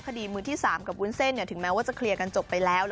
มือที่๓กับวุ้นเส้นถึงแม้ว่าจะเคลียร์กันจบไปแล้ว